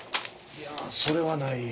いやそれはない。